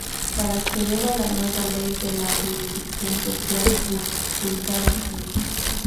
Para acceder a la Nueva Ley de la Jurisdicción Social, pulsar aquí..